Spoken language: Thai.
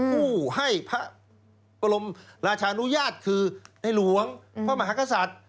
ผู้ให้พระบรมราชานุญาตคือในหลวงพระมหากษัตริย์